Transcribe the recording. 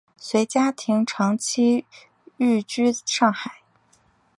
随家庭长期寓居上海。